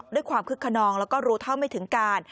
ด้วยความคึกขนองแล้วก็รู้เท่าไม่ถึงการ